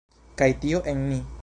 Kaj tio en ni.